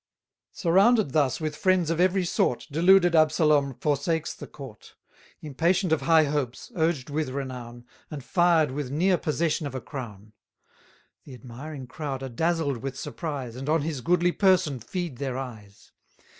Surrounded thus with friends of every sort, Deluded Absalom forsakes the court: Impatient of high hopes, urged with renown, And fired with near possession of a crown. The admiring crowd are dazzled with surprise, And on his goodly person feed their eyes.